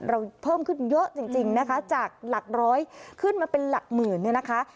เราเพิ่มขึ้นเยอะจริงนะคะจากหลักร้อยขึ้นมาเป็นหลักหมื่นเนี่ยนะคะ